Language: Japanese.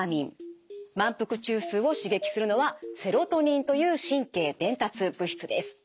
満腹中枢を刺激するのはセロトニンという神経伝達物質です。